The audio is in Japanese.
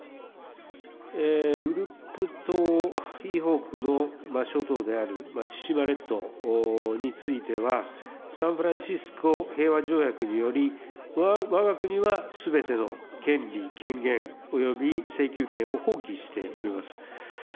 うるっぷ島以北の場所等である千島列島については、サンフランシスコ平和条約により、わが国はすべての権利、権限および請求権を放棄しております。